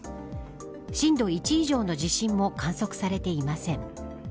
震度１以上の地震も観測されていません。